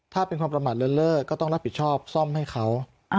ถ้าเป็นความประมาทเลิศก็ต้องรับผิดชอบซ่อมให้เขา